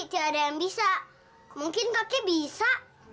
kalau ada yang bisa mungkin kakek bisa